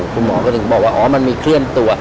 คุณหมอก็ถึงบอกว่าอ๋อมันมีเคลื่อนตัว